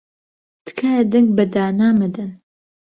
تکایە دەنگ بە دانا مەدەن.